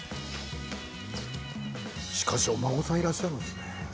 しかし、お孫さんがいらっしゃるんですね。